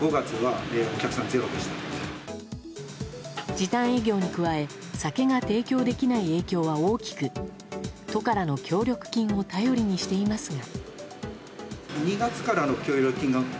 時短営業に加え酒が提供できない影響は大きく都からの協力金を頼りにしていますが。